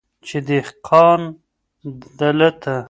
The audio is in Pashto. چي دهقان دلته